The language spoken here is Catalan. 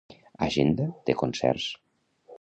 Agenda de concerts.